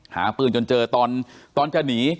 หาปืนจนเจอตอนจะหนี